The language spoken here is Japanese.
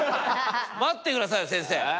待ってくださいよ先生。